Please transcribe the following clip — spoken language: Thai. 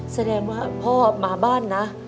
แสดงว่าพ่อมาบ้านนะ